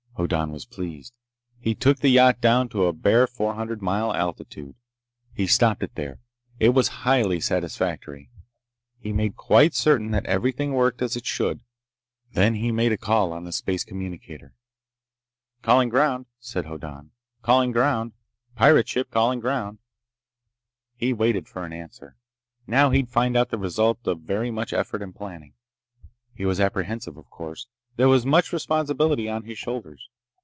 Hoddan was pleased. He took the yacht down to a bare four hundred mile altitude. He stopped it there. It was highly satisfactory. He made quite certain that everything worked as it should. Then he made a call on the space communicator. "Calling ground," said Hoddan. "Calling ground. Pirate ship calling ground!" He waited for an answer. Now he'd find out the result of very much effort and planning. He was apprehensive, of course. There was much responsibility on his shoulders.